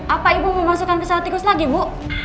apa ibu mau masukkan ke sel tikus lagi bu